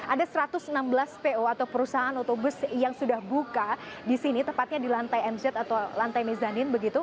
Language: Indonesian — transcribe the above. ada satu ratus enam belas po atau perusahaan otobus yang sudah buka di sini tepatnya di lantai mz atau lantai mezanin